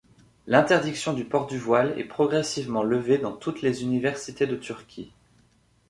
L'interdiction du port du voile est progressivement levée dans toutes les universités de Turquie.